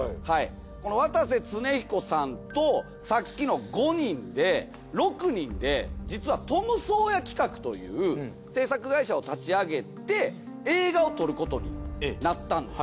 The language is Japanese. この渡瀬恒彦さんとさっきの５人で６人で実はトムソーヤ企画という制作会社を立ち上げて映画を撮ることになったんです。